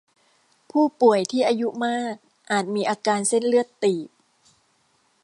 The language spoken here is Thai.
ผู้ป่วยที่อายุมากอาจมีอาการเส้นเลือดตีบ